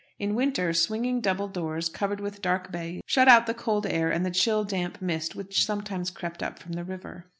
In winter, swinging double doors, covered with dark baize, shut out the cold air and the chill, damp mist which sometimes crept up from the river.